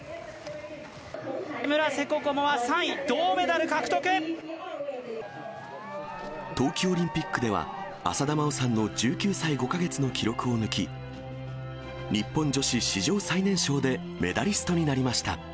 村瀬心椛は３位、銅メダル獲冬季オリンピックでは、浅田真央さんの１９歳５か月の記録を抜き、日本女子史上最年少でメダリストになりました。